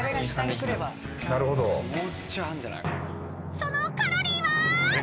［そのカロリーは］